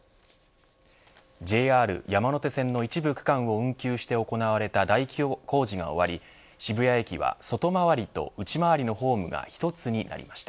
ＪＲ山手線の一部区間を運休して行われた大規模工事が終わり渋谷駅は外回りと内回りのホームが一つになりました。